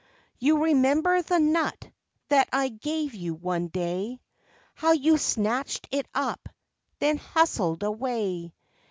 You remember the nut that I gave you one day, How you snatched it up, then hustled away?